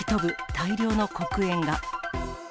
大量の黒煙が。